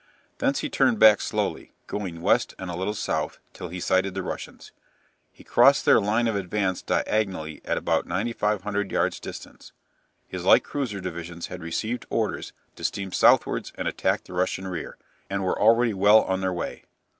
thence he turned back slowly, going west and a little south, till he sighted the Russians. He crossed their line of advance diagonally at about 9500 yards distance. His light cruiser divisions had received orders to steam southwards and attack the Russian rear, and were already well on their way.